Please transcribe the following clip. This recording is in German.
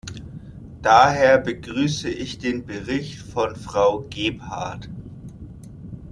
Daher begrüße ich den Bericht von Frau Gebhardt.